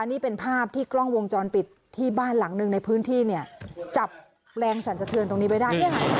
นี่เป็นภาพที่กล้องวงจรปิดที่บ้านหลังหนึ่งในพื้นที่เนี่ยจับแรงสั่นสะเทือนตรงนี้ไว้ได้